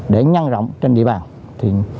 để nhăn rộng trên địa bàn